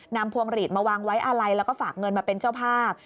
พวงหลีดมาวางไว้อาลัยแล้วก็ฝากเงินมาเป็นเจ้าภาพ